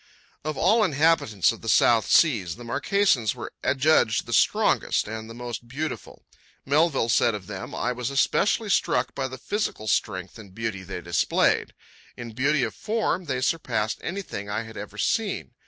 Of all inhabitants of the South Seas, the Marquesans were adjudged the strongest and the most beautiful. Melville said of them: "I was especially struck by the physical strength and beauty they displayed ... In beauty of form they surpassed anything I had ever seen.